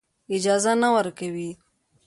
اجازه نه ورکوي.